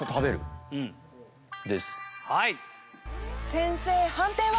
先生判定は？